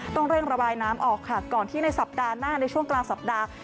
ต้องเร่งระบายน้ำออกค่ะก่อนที่ในสัปดาห์หน้าในช่วงกลางสัปดาห์